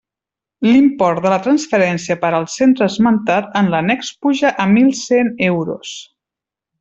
L'import de la transferència per al centre esmentat en l'annex puja a mil cent euros.